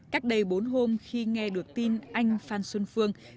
các đầy bốn hôm khi nghe được thuyền viên phan xuân phương